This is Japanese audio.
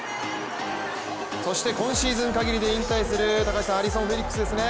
そして今シーズン限りで引退するアリソン・フェリックスですね。